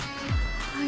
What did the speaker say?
はい。